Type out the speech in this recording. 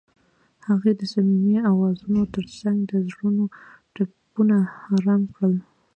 هغې د صمیمي اوازونو ترڅنګ د زړونو ټپونه آرام کړل.